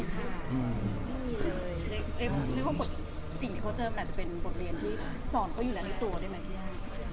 นึกว่าสิ่งที่เขาเจอมันอาจจะเป็นบทเรียนที่สอนเขาอยู่แล้วในตัวได้ไหมพี่ย่า